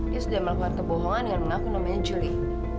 dia sudah melakukan kebohongan dengan mengaku namanya juli